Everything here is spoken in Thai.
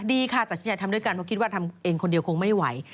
ดีค่ะตัดสินใจทำด้วยกันเพราะคิดว่าทำเองคนเดียวคงไม่ไหว